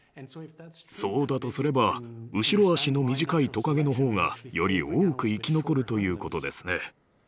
そうだとすれば後ろ足の短いトカゲの方がより多く生き残るということですね。